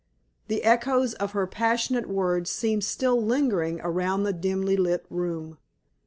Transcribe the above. The echoes of her passionate words seemed still lingering around the dimly lit room.